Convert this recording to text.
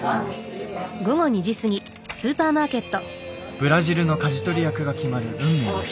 ブラジルのかじ取り役が決まる運命の日。